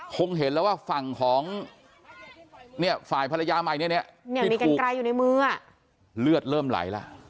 คงเห็นแล้วว่าฝั่งของฝ่ายภรรยามัยเนี่ยมีกางกรายอยู่ในมือเลือดเริ่มไหลล่ะ